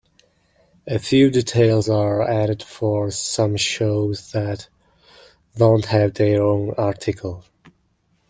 A few details are added for some shows that don't have their own article.